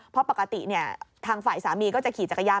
เพราะปกติทางฝ่ายสามีก็จะขี่จักรยาน